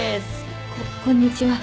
こっこんにちは。